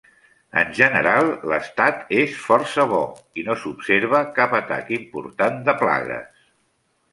En general, l'estat és força bo i no s'observa cap atac important de plagues.